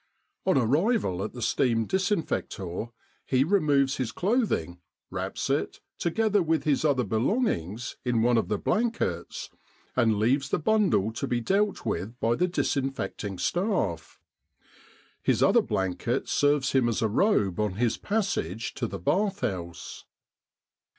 On arrival at the steam disinfector, he removes his cloth ing, wraps it, together with his other belongings, in 297 With the R.A.M.C. in Egypt one of his blankets, and leaves the bundle to be dealt with by the disinfecting staff. His other blanket serves him as a robe on his passage to the bath house.